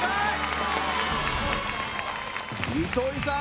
糸井さん